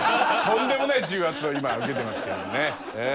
とんでもない重圧を今受けてますけどね。